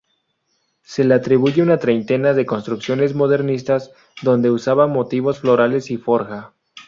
Se le atribuyen una treintena de construcciones modernistas, donde usaba motivos florales y forja.